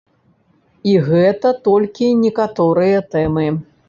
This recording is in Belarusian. І гэта толькі некаторыя тэмы.